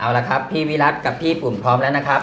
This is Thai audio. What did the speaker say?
เอาละครับพี่วิรัติกับพี่ปุ่นพร้อมแล้วนะครับ